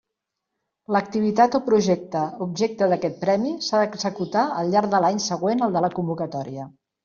L'activitat o projecte objecte d'aquest premi s'ha d'executar al llarg de l'any següent al de la convocatòria.